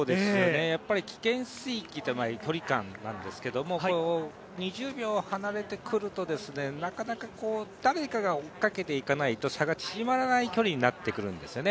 危険水域、距離感なんですけれども２０秒離れてくるとなかなか、誰かが追いかけていかないと差が縮まらない距離になってくるんですよね。